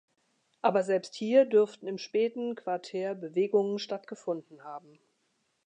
Aber selbst hier dürften im späten Quartär Bewegungen stattgefunden haben.